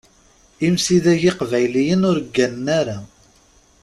Imsidag iqbayliyen ur gganen ara.